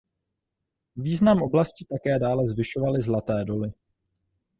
Význam oblasti také dále zvyšovaly zlaté doly.